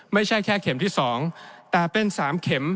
ไม่ใช่แค่เข็มที่๒แต่เป็น๓เข็ม